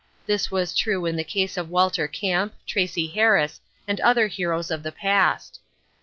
This was true in the case of Walter Camp, Tracy Harris, and other heroes of the past.